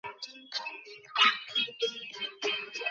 তিনি মেইন বিশ্ববিদ্যালয়ে ভর্তি হন।